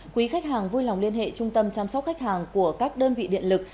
quý khách hàng vui lòng liên hệ trung tâm chăm sóc khách hàng của các đơn vị điện lực